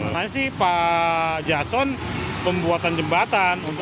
makanya sih pak jason pembuatan jembatan